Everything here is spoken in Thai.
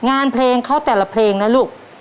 งานเพลงเขาแต่ละเพลงนะลูก